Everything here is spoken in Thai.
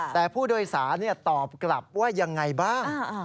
แต่ผู้โดยสารตอบกลับว่ายังไงบ้าง